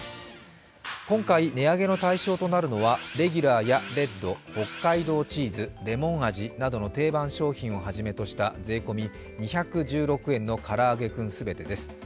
今回値上げの対象となるのはレギュラーやレッド、北海道チーズ、レモン味などの定番商品を初めとした税込み２１６円のからあげクン全てです。